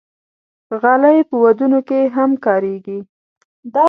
غالۍ په ودونو کې هم کارېږي.